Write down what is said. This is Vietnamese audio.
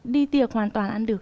đi tiệc hoàn toàn ăn được